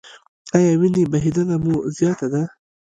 ایا وینې بهیدنه مو زیاته ده؟